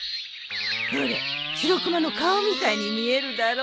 ほれシロクマの顔みたいに見えるだろ？